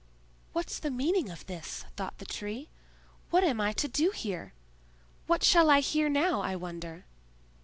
"What's the meaning of this?" thought the Tree. "What am I to do here? What shall I hear now, I wonder?"